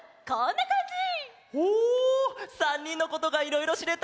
おお３にんのことがいろいろしれた！